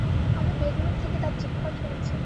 আমি বেডরুম থেকে তার চিৎকার শুনেছি।